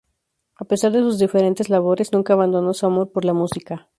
A pesar de sus diferentes labores, nunca abandonó su amor por la música.